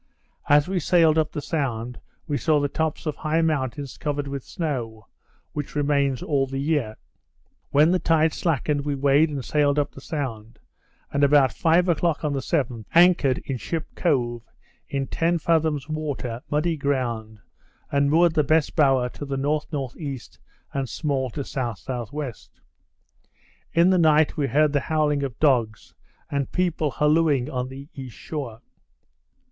As we sailed up the sound we saw the tops of high mountains covered with snow, which remains all the year. When the tide slackened, we weighed and sailed up the sound; and about five o'clock on the 7th, anchored in Ship Cove, in ten fathoms water, muddy ground, and moored the best bower to the N.N.E., and small to S.S.W. In the night, we heard the howling of dogs, and people hallooing on the east shore.